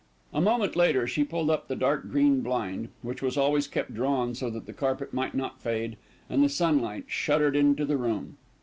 A moment later, she pulled up the dark green blind, which was always kept drawn so that the carpet might not fade, and the sunlight shuddered into the room.